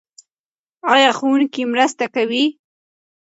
ایا ښوونکی مرسته کوي؟